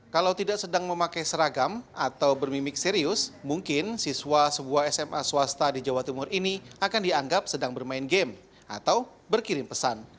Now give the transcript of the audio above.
kalau tidak sedang memakai seragam atau bermimik serius mungkin siswa sebuah sma swasta di jawa timur ini akan dianggap sedang bermain game atau berkirim pesan